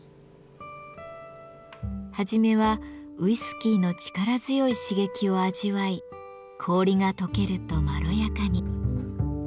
はじめはウイスキーの力強い刺激を味わい氷がとけるとまろやかに。